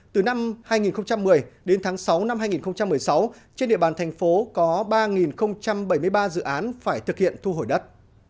từ năm hai nghìn một mươi đến tháng sáu năm hai nghìn một mươi sáu trên địa bàn thành phố có ba bảy mươi ba dự án phải thực hiện thu hồi đất